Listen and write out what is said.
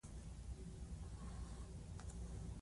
د اوبو پاکوالی د نبات ودې ته ضروري دی.